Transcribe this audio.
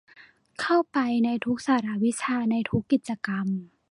เข้าไปในทุกสาระวิชาในทุกกิจกรรม